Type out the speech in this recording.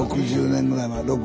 ６０年ぐらい前。